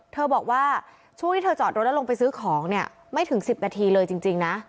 บอกว่าช่วงที่เธอจอดรถแล้วลงไปซื้อของเนี่ยไม่ถึง๑๐นาทีเลยจริงนะ